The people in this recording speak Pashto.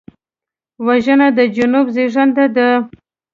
وژنه د جنون زیږنده ده